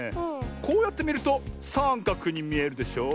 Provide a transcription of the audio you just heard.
こうやってみるとさんかくにみえるでしょう。